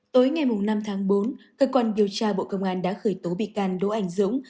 tối ngày năm tháng bốn cơ quan điều tra bộ công an đã khởi tố bị can đỗ anh dũng